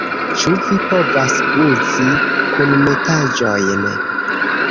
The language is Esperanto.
Ĉu vi povas uzi kunmetaĵojn?